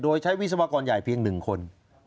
โดยใช้วิศวกรใหญ่เพียง๑คน